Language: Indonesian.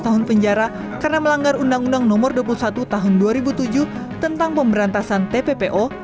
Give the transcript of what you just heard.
tahun penjara karena melanggar undang undang nomor dua puluh satu tahun dua ribu tujuh tentang pemberantasan tppo